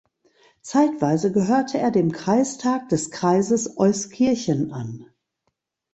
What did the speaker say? Zeitweise gehörte er dem Kreistag des Kreises Euskirchen an.